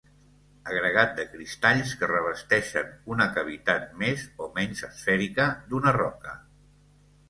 Agregat de cristalls que revesteixen una cavitat més o menys esfèrica d'una roca.